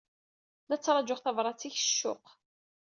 La ttṛajuɣ tabṛat-ik s ccuq!